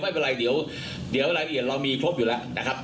ไม่เป็นไรเดี๋ยวรายละเอียดเรามีครบอยู่แล้วนะครับ